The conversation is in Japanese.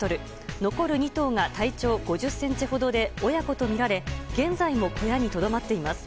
残る２頭が体長５０ｃｍほどで親子とみられ現在も小屋にとどまっています。